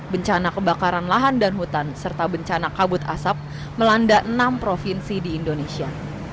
bencana kebakaran lahan dan hutan serta bencana kabut asap melanda enam provinsi di indonesia